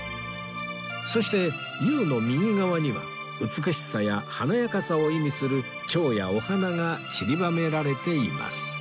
そして「祐」の右側には美しさや華やかさを意味する蝶やお花がちりばめられています